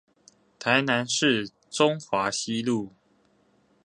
台南市中華西路